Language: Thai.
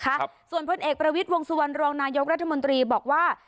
ครับส่วนเพศเอกปรวิทวงศวรรณรวงนายโยกรัฐมนตรีบอกว่า